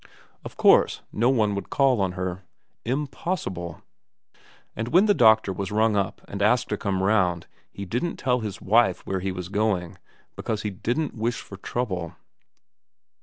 Of course no one would call on her. Impossible. And when the doctor was rung up and 318 VERA asked to come round, he didn't tell his wife where he was going, because he didn't wish for trouble.